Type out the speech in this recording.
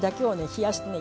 冷やしてね